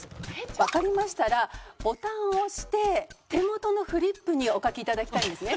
わかりましたらボタンを押して手元のフリップにお書きいただきたいんですね。